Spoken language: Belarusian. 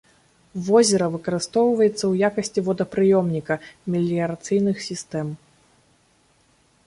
Возера выкарыстоўваецца ў якасці водапрыёмніка меліярацыйных сістэм.